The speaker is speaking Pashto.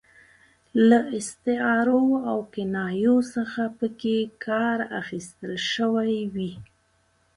له استعارو او کنایو څخه پکې کار اخیستل شوی وي.